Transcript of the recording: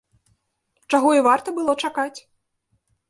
Чаго і варта было чакаць!